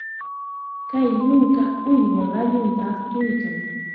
Kay yunka uywa qallunta aqtuykan.